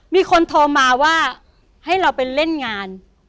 มีคนโทรมาว่าให้เราไปเล่นงาน